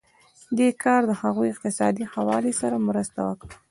دې کار د هغوی اقتصادي ښه والی سره مرسته وکړه.